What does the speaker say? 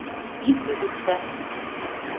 Ит лӱдыктӧ!